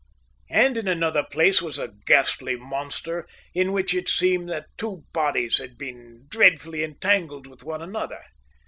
And in another place was a ghastly monster in which it seemed that two bodies had been dreadfully entangled with one another.